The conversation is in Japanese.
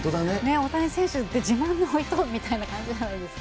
大谷選手って自分の恋人みたいな感じじゃないですか。